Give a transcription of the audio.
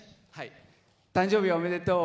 誕生日おめでとう。